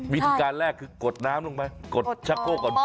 วิธีการแรกคือกดน้ำลงไปกดชะโคกก่อน